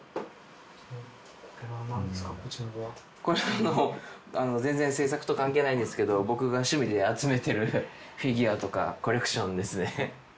これはあの全然制作と関係ないんですけど僕が趣味で集めてるフィギュアとかコレクションですね